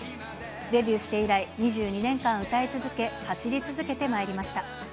デビューして以来、２２年間歌い続け、走り続けてまいりました。